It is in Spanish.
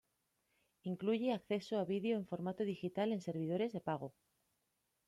Incluye acceso a video en formato digital en servidores de pago.